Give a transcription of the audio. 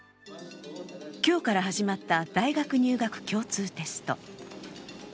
今日から始まった大学入学共通テスト。